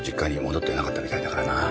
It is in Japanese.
戻ってなかったみたいだからな。